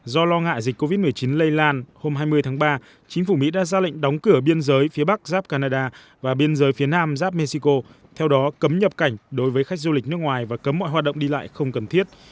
do lo ngại dịch covid một mươi chín lây lan hôm hai mươi tháng ba chính phủ mỹ đã ra lệnh đóng cửa biên giới phía bắc giáp canada và biên giới phía nam giáp mexico theo đó cấm nhập cảnh đối với khách du lịch nước ngoài và cấm mọi hoạt động đi lại không cần thiết